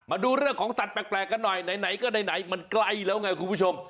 มาดูเรื่องของสัตว์แปลกกันหน่อยไหนก็ไหนมันใกล้แล้วไงคุณผู้ชม